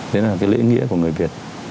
đấy là cái lễ nghĩa của người việt